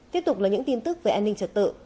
tiếp tục là những tin tức về an ninh trật tự